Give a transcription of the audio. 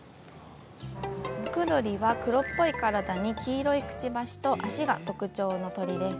ムクドリは黒っぽい体と黄色いくちばしと足が特徴の野鳥です。